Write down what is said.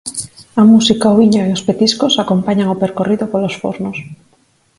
A música, o viño e os petiscos acompañan o percorrido polos fornos.